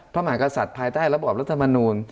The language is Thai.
เพิ่มหากศัฒน์ภายใต้ระบบรัตนธรรมนูญ